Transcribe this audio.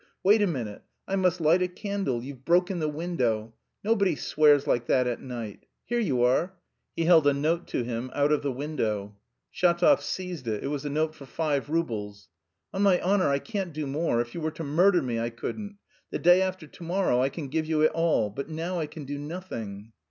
Wait a minute, I must light a candle; you've broken the window.... Nobody swears like that at night. Here you are!" He held a note to him out of the window. Shatov seized it it was a note for five roubles. "On my honour I can't do more, if you were to murder me, I couldn't; the day after to morrow I can give you it all, but now I can do nothing."